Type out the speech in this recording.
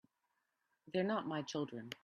They're not my children.